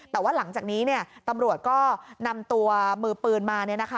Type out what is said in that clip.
แต่ว่าหลังจากนี้ตำรวจก็นำตัวมือปืนมา